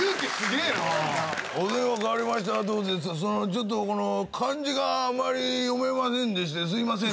ちょっとこの漢字があまり読めませんでしてすいません。